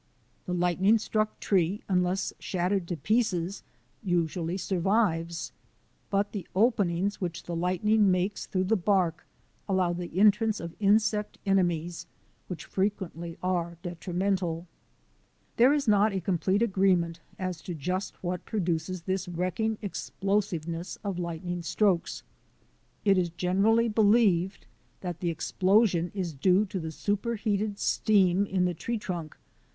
The lightning struck tree, unless shattered to pieces, usually survives, but the openings which the lightning makes through the bark allow the entrance of insect enemies which frequently are detrimental. There is not a complete agreement as to just what produces this wrecking explosiveness of light i 3 o THE ADVENTURES OF A NATURE GUIDE ning strokes. It is generally believed that the explosion is due to the superheated steam in the tree trunk.